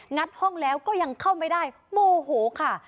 งัดห้องแล้วก็ยังเข้าไม่ได้โมโหค่ะ